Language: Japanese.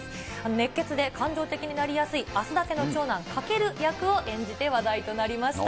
熱血で感情的になりやすい阿須田家の長男、翔役を演じて、話題となりました。